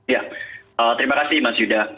ya terima kasih mas yuda